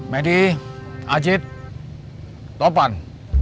medi ajit topan